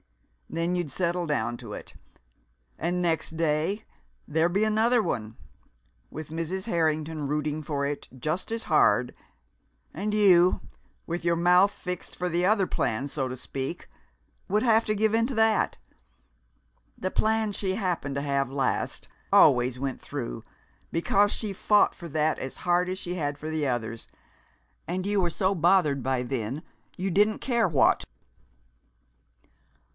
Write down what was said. Then you'd settle down to it and next day there be another one, with Mrs. Harrington rooting for it just as hard, and you, with your mouth fixed for the other plan, so to speak, would have to give in to that. The plan she happened to have last always went through, because she fought for that as hard as she had for the others, and you were so bothered by then you didn't care what."